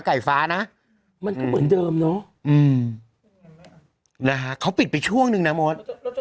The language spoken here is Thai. ไฟฟ้านะมันก็เหมือนเดิมเนอะอืมนะฮะเขาปิดไปช่วงหนึ่งนะมด